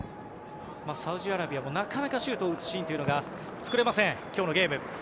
サウジアラビアもなかなかシュートを打つシーンが作れません、今日のゲーム。